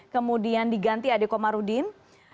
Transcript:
kemudian diganti adikom marudin